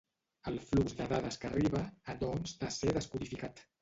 El flux de dades que arriba ha doncs de ser descodificat.